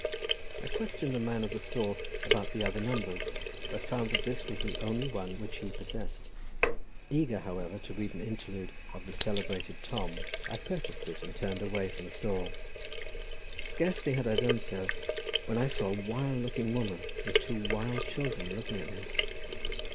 I questioned the man of the stall about the other numbers, but found that this was the only one which he possessed. Eager, however, to read an interlude of the celebrated Tom, I purchased it, and turned away from the stall. Scarcely had I done so, when I saw a wild looking woman, with two wild children, looking at me.